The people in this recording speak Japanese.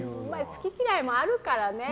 好き嫌いもあるからね。